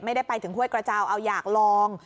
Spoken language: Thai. ไม่ได้ไปถึงห้วยกระเจ้าเอาอยากลอง